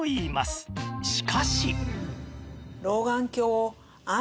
しかし